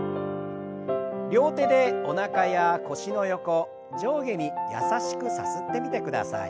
両手でおなかや腰の横上下に優しくさすってみてください。